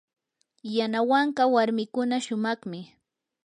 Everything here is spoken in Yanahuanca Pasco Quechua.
yanawanka warmikuna shumaqmi.